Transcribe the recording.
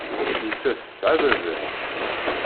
Nettat tesɛa baba-s.